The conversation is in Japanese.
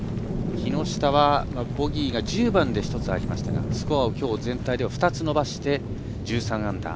木下はボギーが１０番で１つありましたがスコアをきょう全体では２つ伸ばして１３アンダー。